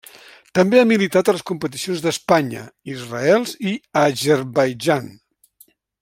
També ha militat a les competicions d'Espanya, Israel i Azerbaidjan.